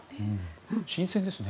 新鮮ですね。